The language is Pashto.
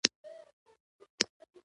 د تا سترګې ښایسته دي